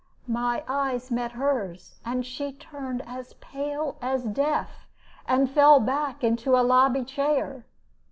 My eyes met hers, and she turned as pale as death, and fell back into a lobby chair.